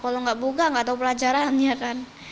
kalau nggak buka nggak tahu pelajarannya kan